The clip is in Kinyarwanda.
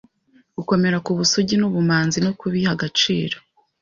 Gukomera ku busugi n'ubumanzi no kubiha agaciro,